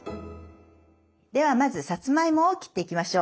ではまずさつまいもを切っていきましょう。